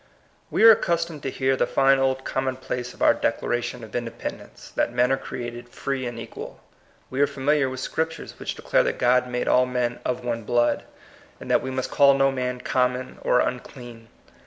We are accustomed to bear the fine old Gommonplace of our Declaration of Inde pendence that men are created ^^free and equal." We are familiar with Scriptures which declare that God made all men ^^of one blood," and that we must call no man common or unclean."